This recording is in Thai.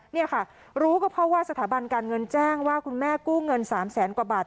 นี่ค่ะรู้ก็เพราะว่าสถาบันการเงินแจ้งว่าคุณแม่กู้เงิน๓แสนกว่าบาท